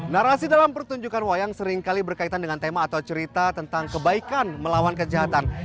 narasi dalam pertunjukan wayang seringkali berkaitan dengan tema atau cerita tentang kebaikan melawan kejahatan